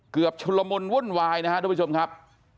เกือบชุดละมนต์วุ่นวายนะครับทุกผู้ชมครับ